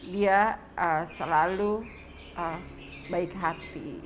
dia selalu baik hati